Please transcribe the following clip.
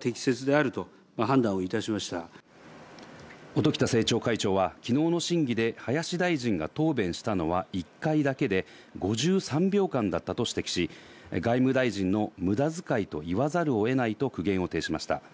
音喜多政調会長は昨日の審議で、林大臣が答弁したのは１回だけで、５３秒間だったと指摘し、外務大臣の無駄遣いと言わざるを得ないと苦言を呈しました。